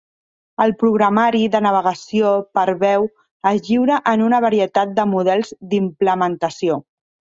El programari de navegació per veu es lliura en una varietat de models d'implementació.